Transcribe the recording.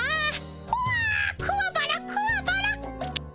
うわくわばらくわばら。